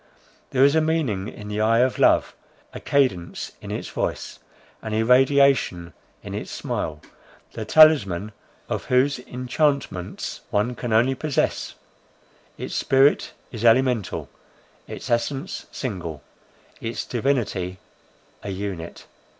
There is a meaning in the eye of love; a cadence in its voice, an irradiation in its smile, the talisman of whose enchantments one only can possess; its spirit is elemental, its essence single, its divinity an unit.